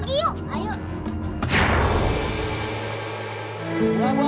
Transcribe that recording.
pilih aja dulu